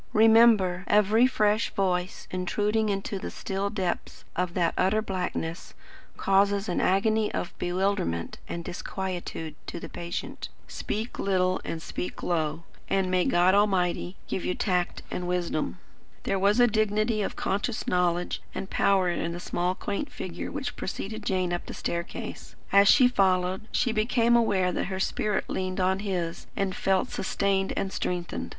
Remember, every fresh voice intruding into the still depths of that utter blackness, causes an agony of bewilderment and disquietude to the patient. Speak little and speak low, and may God Almighty give you tact and wisdom." There was a dignity of conscious knowledge and power in the small quaint figure which preceded Jane up the staircase. As she followed, she became aware that her spirit leaned on his and felt sustained and strengthened.